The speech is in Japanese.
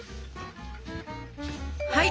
はい！